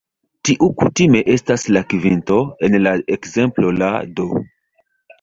Tiu kutime estas la kvinto; en la ekzemplo la "d".